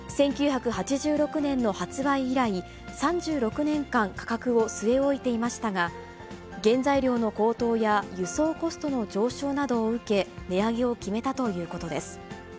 １９８６年の発売以来、３６年間価格を据え置いていましたが、原材料の高騰や、輸送コストの上昇などを受け、値上げを決めたということです。